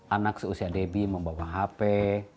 anak seusia debi membawa hape